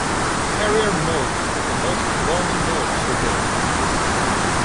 Career Mode is the most involving mode of the game.